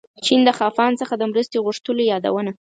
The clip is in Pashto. چین د خاقان څخه د مرستې غوښتلو یادونه.